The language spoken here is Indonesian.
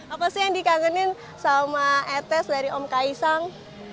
apa sih yang dikangenin sama etes dari om kaisang